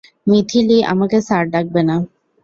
মিথিলি, আমাকে স্যার ডাকবে না।